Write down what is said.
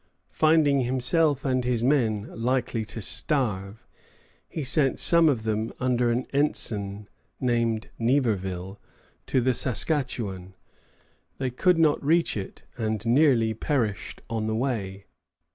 Finding himself and his men likely to starve, he sent some of them, under an ensign named Niverville, to the Saskatchawan. They could not reach it, and nearly perished on the way.